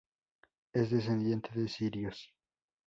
Es descendiente de sirios.